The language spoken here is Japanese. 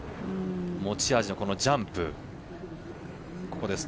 持ち味のジャンプ。